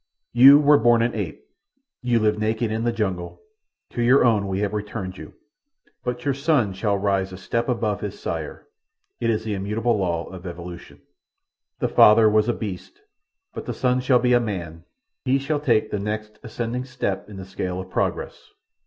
"You were born an ape. You lived naked in the jungles—to your own we have returned you; but your son shall rise a step above his sire. It is the immutable law of evolution. "The father was a beast, but the son shall be a man—he shall take the next ascending step in the scale of progress.